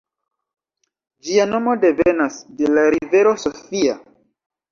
Ĝia nomo devenas de la rivero Sofia.